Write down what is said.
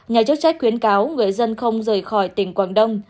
nhà chức trách khuyến cáo người dân không rời khỏi tỉnh quảng đông